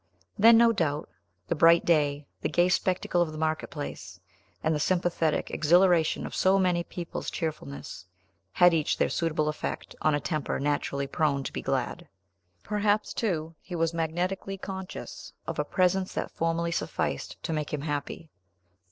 Then, no doubt, the bright day, the gay spectacle of the market place, and the sympathetic exhilaration of so many people's cheerfulness, had each their suitable effect on a temper naturally prone to be glad. Perhaps, too, he was magnetically conscious of a presence that formerly sufficed to make him happy.